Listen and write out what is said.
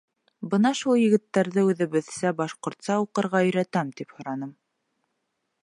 Бына шул егеттәрҙе үҙебеҙсә, башҡортса уҡырға өйрәтәм. — тип һораным.